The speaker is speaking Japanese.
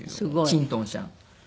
ちんとんしゃん。